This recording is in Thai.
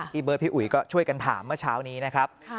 เบิร์ดพี่อุ๋ยก็ช่วยกันถามเมื่อเช้านี้นะครับ